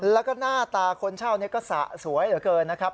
แล้วก็หน้าตาคนเช่านี้ก็สะสวยเหลือเกินนะครับ